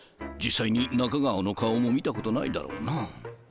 実際に中川の顔も見たことないだろうな。